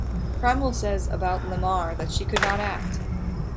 Cromwell says about Lamarr that she could not act.